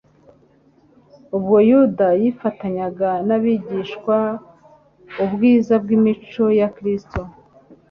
Ubwo Yuda yifatanyaga n'abigishwa, ubwiza bw'imico ya Kristo